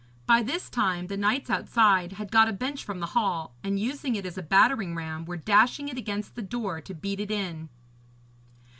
By this time the knights outside had got a bench from the hall, and using it as a battering ram, were dashing it against the door to beat it in.